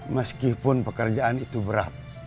meskipun pekerjaan itu berat